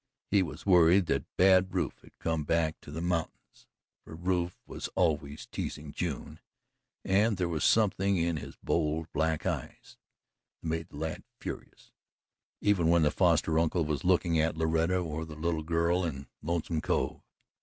He was worried that Bad Rufe had come back to the mountains, for Rufe was always teasing June and there was something in his bold, black eyes that made the lad furious, even when the foster uncle was looking at Loretta or the little girl in Lonesome Cove.